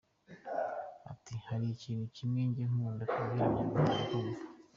Ati “Hari ikintu kimwe njye nkunda kubwira abanyarwanda bakumva.